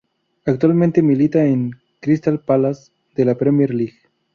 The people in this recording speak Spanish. Actualmente milita en el Crystal Palace de la Premier League.